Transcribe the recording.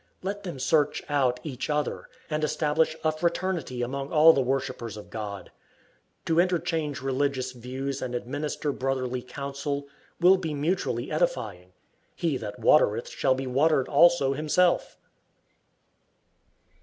Let them search out each other, and establish a fraternity among all the worshipers of God. To interchange religious views and administer brotherly counsel will be mutually edifying. "He that watereth shall be watered also himself."